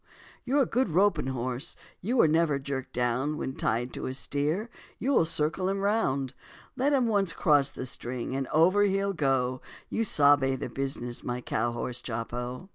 You're a good roping horse, you were never jerked down, When tied to a steer, you will circle him round; Let him once cross the string and over he'll go, You sabe the business, my cow horse, Chopo.